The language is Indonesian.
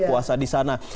puasa di sana